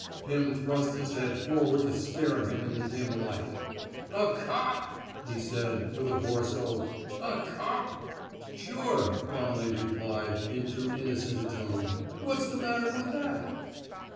'' Pim thrust his head forward to stare at him in the dim light. A cop! '* he said, with a hoarse oath. A cop! *'Sure,'' Donnelly replied, in too innocent a tone. What's the matter with that!